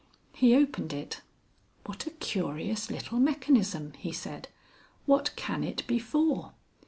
He opened it. "What a curious little mechanism!" he said. "What can it be for?"